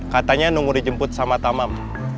katanya nunggu dijemput sama tamam